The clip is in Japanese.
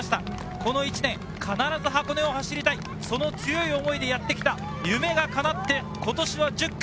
この１年、必ず箱根を走りたい、その強い思いでやってきた夢が叶って今年の１０区。